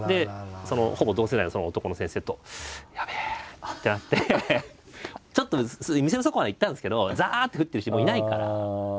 ほぼ同世代の男の先生とやべえってなってちょっと店の外までは行ったんですけどザって降ってるしもういないから。